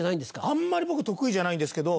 あんまり僕得意じゃないんですけど。